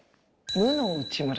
「無の内村」が。